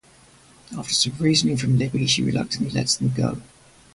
After some reasoning from Libby, she reluctantly lets them go.